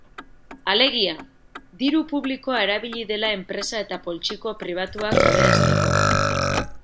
Alegia, diru publikoa erabili dela enpresa eta poltsiko pribatuak aberasteko.